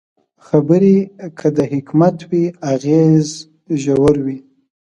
خبرې که د حکمت وي، اغېز ژور وي